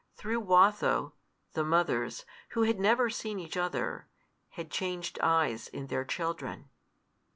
Through Watho, the mothers, who had never seen each other, had changed eyes in their children.